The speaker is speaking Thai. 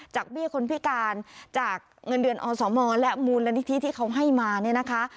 เบี้ยคนพิการจากเงินเดือนอสมและมูลนิธิที่เขาให้มาเนี่ยนะคะ